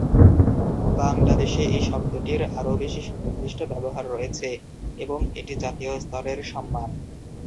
বাংলাদেশে এই শব্দটির আরও বেশি সুনির্দিষ্ট ব্যবহার রয়েছে এবং এটি জাতীয় স্তরের সম্মান।